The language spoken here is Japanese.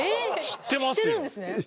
知ってるんですね。